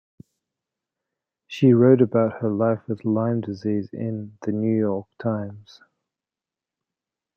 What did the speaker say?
She wrote about her life with Lyme disease in "The New York Times".